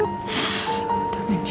kamu baik banget